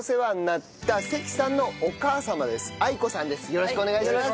よろしくお願いします。